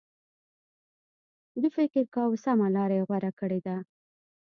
دوی فکر کاوه سمه لار یې غوره کړې ده.